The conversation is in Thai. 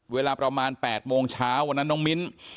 เวลาประมาณ๘โมงเช้าวันนั้นน้องมิ้น